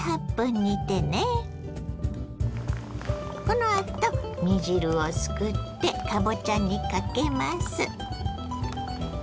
このあと煮汁をすくってかぼちゃにかけます。